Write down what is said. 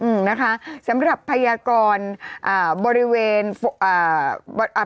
อืมนะคะสำหรับพยากรอ่าบริเวณอ่า